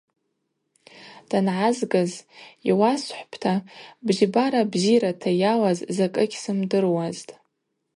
Дангӏазгыз, йуасхӏвпӏта, бзибара бзирата йалаз закӏы гьсымдыруазтӏ.